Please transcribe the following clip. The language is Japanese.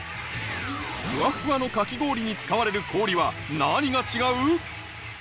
フワフワのかき氷に使われる氷は何が違う？